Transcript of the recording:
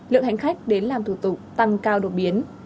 lượng hành khách đến làm thủ tục tăng cao đột biến